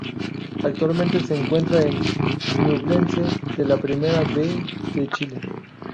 Actualmente se encuentra en Ñublense, de la Primera B de Chile.